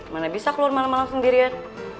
mana bisa keluar malam malam sendirian